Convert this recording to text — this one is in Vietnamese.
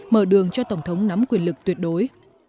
mở đường cho tổng thống nắm quyền lực tuyệt đối